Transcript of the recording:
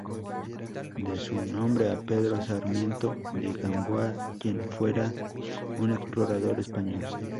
Debe su nombre a Pedro Sarmiento de Gamboa, quien fuera un explorador español.